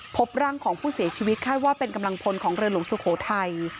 พบร่างของผู้เสียชีวิตคาดว่าเป็นกำลังพลของเรือหลวงสุโขทัย